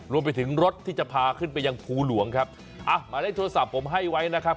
รวมไปถึงรถที่จะพาขึ้นไปยังภูหลวงครับอ่ะหมายเลขโทรศัพท์ผมให้ไว้นะครับ